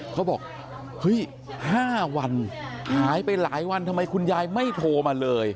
เขาบอกเฮ้ย๕วันหายไปหลายวันทำไมคุณยายไม่โทรมาเลย